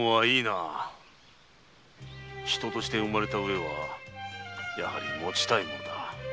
人として生まれたうえはやはりもちたいものだ。